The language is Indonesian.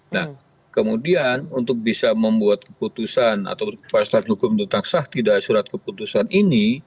nah kemudian untuk bisa membuat keputusan atau keputusan hukum tentang sah tidak surat keputusan ini